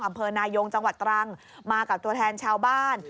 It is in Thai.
อำเภอนายงจังหวัดตรังมากับตัวแทนชาวบ้าน